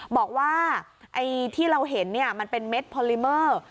บอกว่าที่เราเห็นมันเป็นเม็ดพอลิเมอร์